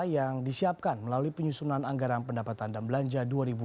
yang disiapkan melalui penyusunan anggaran pendapatan dan belanja dua ribu dua puluh